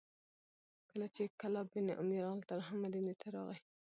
کله چې کلاب بن امیة رضي الله عنه مدینې ته راغی،